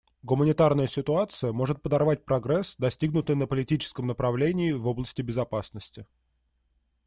Гуманитарная ситуация может подорвать прогресс, достигнутый на политическом направлении и в области безопасности.